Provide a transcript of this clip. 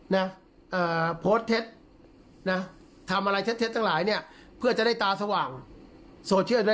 เนี้ยอ่าเพิ่งเท็ตนะ